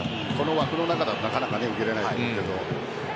枠の中だとなかなか受けれないけど。